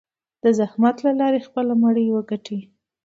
د زحمت له لارې خپله مړۍ وګټي.